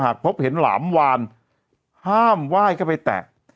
พบเห็นหลามวานห้ามไหว้เข้าไปแตะ